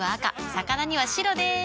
魚には白でーす。